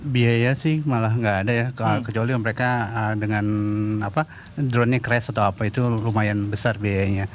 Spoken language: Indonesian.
biaya sih malah nggak ada ya kecuali mereka dengan drone nya crash atau apa itu lumayan besar biayanya